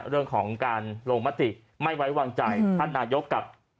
เรื่องของการลงมติไม่ไว้วางใจท่านนายกกับ